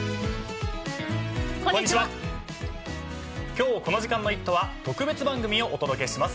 今日この時間の『イット！』は特別番組をお届けします。